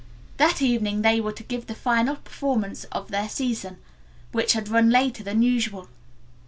That evening they were to give the final performance of their season, which had run later than usual.